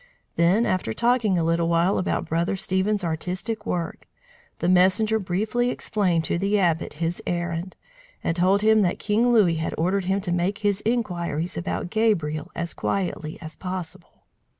Then, after talking a little while about Brother Stephen's artistic work, the messenger briefly explained to the Abbot his errand, and told him that King Louis had ordered him to make his inquiries about Gabriel as quietly as possible.